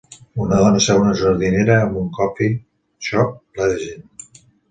Una dona seu en una jardinera en un coffee shop ple de gent